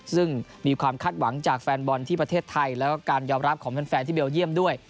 ซึ่งมีความคาดหวังจากแฟนบอลที่ประเทศไทยแล้วก็การยอมรับของแฟนที่เบลเยี่ยมด้วย